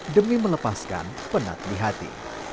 demi melepaskan penat di hati